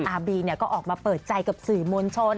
บีก็ออกมาเปิดใจกับสื่อมวลชน